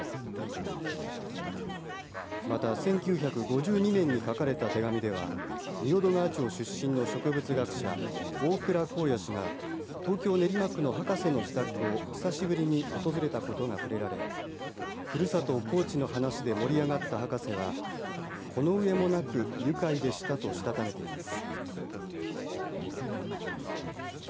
また、１９５２年に書かれた手紙では仁淀川町出身の植物学者大倉幸也氏が東京練馬区の博士の自宅を久しぶりに訪れたことがふれられふるさと高知の話で盛り上がった博士は此上もなく愉快でしたとしたためています。